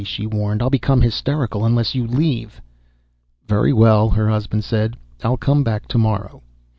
she warned. "I'll become hysterical unless you leave." "Very well," her husband said. "I'll come back tomorrow."